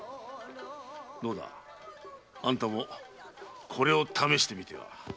どうだあんたもこれを試してみては。